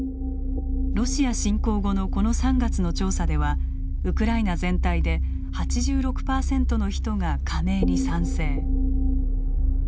ロシア侵攻後のこの３月の調査ではウクライナ全体で８６％の人が加盟に賛成。